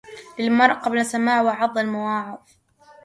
للمرء قبل سماع وعظ الواعظ